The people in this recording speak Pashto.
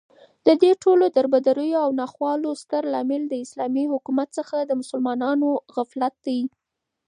ددې ټولو دربدريو او ناخوالو ستر لامل داسلامې حكومت څخه دمسلمانانو غفلت دى